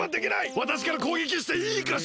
わたしからこうげきしていいかしら？